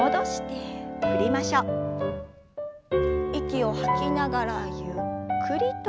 息を吐きながらゆっくりと。